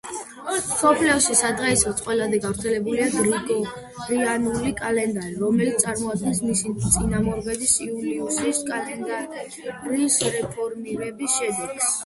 მსოფლიოში სადღეისოდ ყველაზე გავრცელებულია გრიგორიანული კალენდარი, რომელიც წარმოადგენს მისი წინამორბედის, იულიუსის კალენდარის რეფორმირების შედეგს.